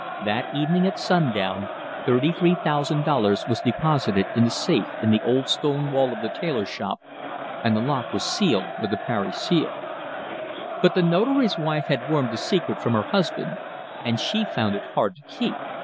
That evening at sundown thirty three thousand dollars was deposited in the safe in the old stone wall of the tailorshop, and the lock was sealed with the parish seal. But the Notary's wife had wormed the secret from her husband, and she found it hard to keep.